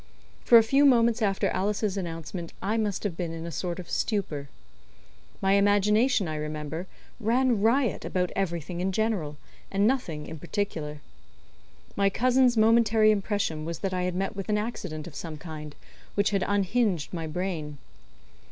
For a few moments after Alice's announcement I must have been in a sort of stupor. My imagination, I remember, ran riot about everything in general, and nothing in particular. My cousin's momentary impression was that I had met with an accident of some kind, which had unhinged my brain.